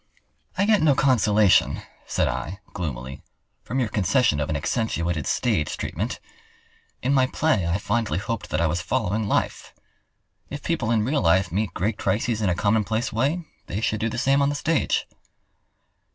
'" "I get no consolation," said I, gloomily, "from your concession of an accentuated stage treatment. In my play I fondly hoped that I was following life. If people in real life meet great crises in a commonplace way, they should do the same on the stage."